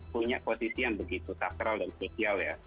punya posisi yang begitu sakral dan sosial ya